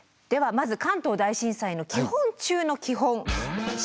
まず関東大震災の基本中の基本。